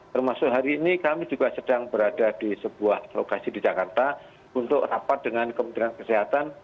termasuk hari ini kami juga sedang berada di sebuah lokasi di jakarta untuk rapat dengan kementerian kesehatan